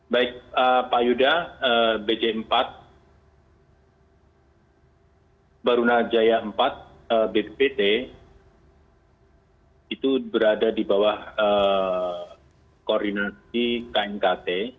baik pak yuda bj empat barunajaya empat bppt itu berada di bawah koordinasi knkt